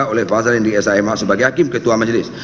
oleh fahzal indri s a m h sebagai hakim ketua majelis